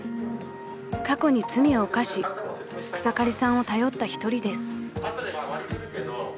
［過去に罪を犯し草刈さんを頼った一人です］